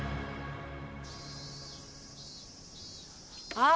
あっ。